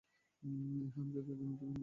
এই হারামজাদার জন্য তুমি ঝুঁকি নেবে, জিম?